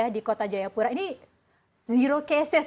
di kota jayapura ini zero cases